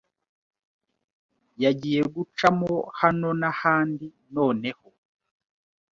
Yagiye gucamo hano n'ahandi noneho